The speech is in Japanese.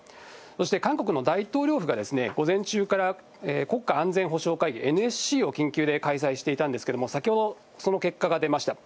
そして韓国の大統領府が午前中から国家安全保障会議・ＮＳＣを緊急で開催していたんですけれども、先ほど、その結果が出ました。